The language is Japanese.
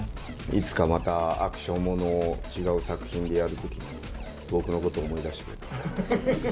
いつかまたアクションものを、違う作品でやるときに、僕のことを思い出してくれたら。